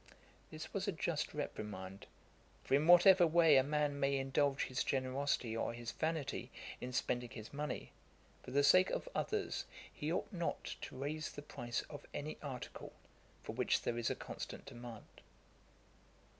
This was a just reprimand; for in whatever way a man may indulge his generosity or his vanity in spending his money, for the sake of others he ought not to raise the price of any article for which there is a constant demand.